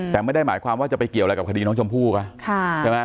แต่ไม่ได้หมายความว่าจะไปเกี่ยวอะไรกับคดีน้องชมพู่ใช่ไหม